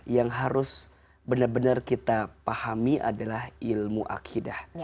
yang harus benar benar kita pahami adalah ilmu akidah